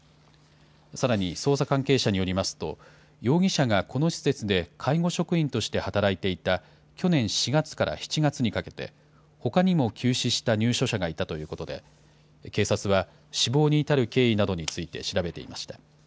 さらに捜査関係者によりますと、容疑者がこの施設で介護職員として働いていた、去年４月から７月にかけて、ほかにも急死した入所者がいたということで、警察は死亡に至る経緯などについて調べていました。